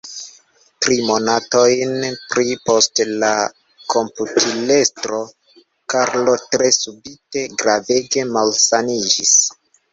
Tri monatojn pri poste la komputilestro Karlo tre subite gravege malsaniĝis.